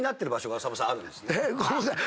ごめんなさい。